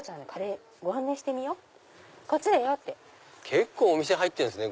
結構お店入ってんですね